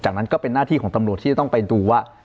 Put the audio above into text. จากนั้นก็เป็นหน้าที่ของตำรวจที่จะต้องไปดูว่า